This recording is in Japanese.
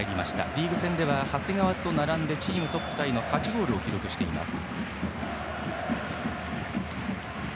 リーグ戦では長谷川と並びチームトップタイの８ゴールを記録しています。